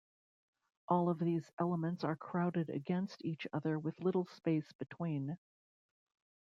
All of these elements are crowded against each other with little space between.